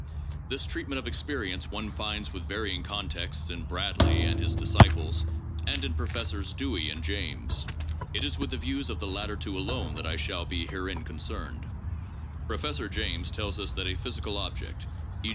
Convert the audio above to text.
This treatment of experience one finds with varying contexts in Bradley and his desciples and in Professors Dewey and James. It is with the views of the latter two alone that I shall be herein concerned. Professor James tells us that a physical object, e.